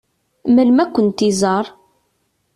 Melmi ad kent-iẓeṛ?